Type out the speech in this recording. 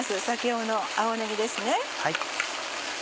先ほどの青ねぎです。